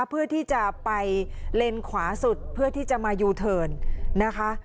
เพื่อที่จะไปเลนขวาสุดเพื่อที่จะมายูเทิร์นนะคะ